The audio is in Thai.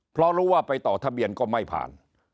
เพราะรู้ว่าไปต่อทะเบียนก็ไม่ผ่าน